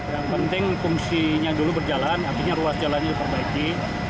yang penting fungsinya dulu berjalan artinya ruas jalannya diperbaiki